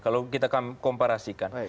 kalau kita komparasikan